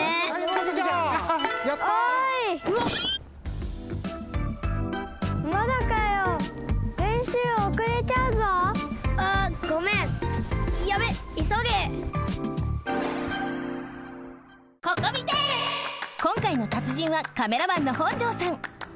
こんかいの達人はカメラマンの本城さん。